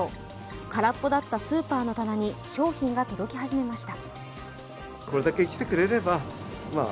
空っぽだったスーパーの棚に商品が届き始めました。